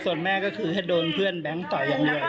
ส่วนแม่ก็คือให้โดนเพื่อนแบงค์ต่อยอย่างเดียว